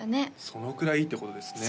そのくらいいいってことですね